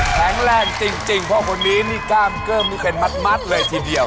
แข็งแรงจริงเพราะคนนี้นี่กล้ามเกิ้มนี่เป็นมัดเลยทีเดียว